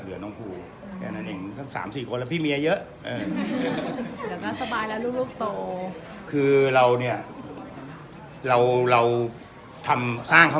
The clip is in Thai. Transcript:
เหลือคนหนึ่งคนที่๓คนก็ใกล้จะจบแล้ว